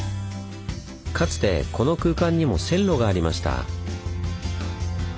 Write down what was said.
かつてこの空間にも線路がありました。